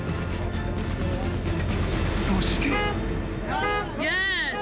［そして］